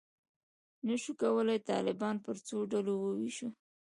نه شو کولای طالبان پر څو ډلو وویشو.